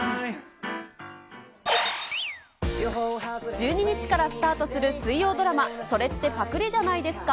１２日からスタートする水曜ドラマ、それってパクリじゃないですか？